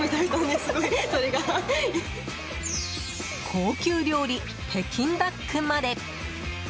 高級料理、北京ダックまで。